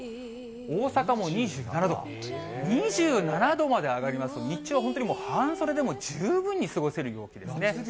大阪も２７度、２７度まで上がりますと、日中は本当にもう、半袖でも十分に過ごせる陽気ですね。